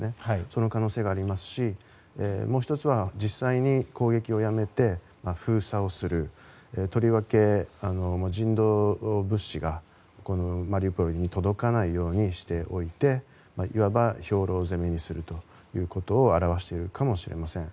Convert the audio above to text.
その可能性がありますしもう１つは実際に攻撃をやめて封鎖をする、とりわけ人道物資がマリウポリに届かないようにしておいていわば、兵糧攻めにするということを表しているかもしれません。